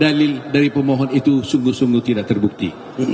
dalil dari pemohon itu sungguh sungguh tidak terbukti